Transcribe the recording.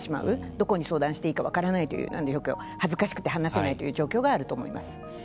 どこに相談していいか分からないという恥ずかしくて話せないという状況があると思います。